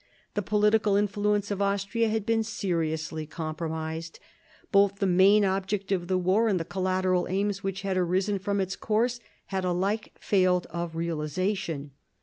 The political influence of Austria had been seriously compromised. Both the main object of the war and the collateral aims which had arisen during its course had alike failed of realisation.